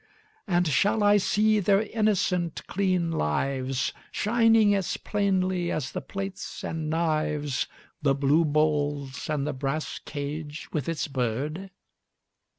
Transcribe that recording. And shall I see their innocent clean lives Shining as plainly as the plates and knives, The blue bowls, and the brass cage with its bird?